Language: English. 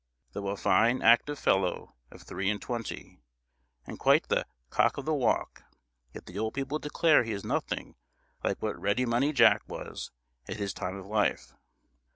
Though a fine, active fellow of three and twenty, and quite the "cock of the walk," yet the old people declare he is nothing like what Ready Money Jack was at his time of life.